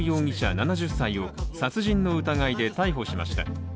７０歳を殺人の疑いで逮捕しました。